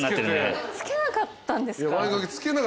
着けなかったんですか？